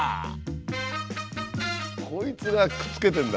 こいつがくっつけてるんだ